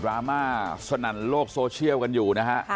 รามาสนั่นโลกโซเชียลกันอยู่นะฮะ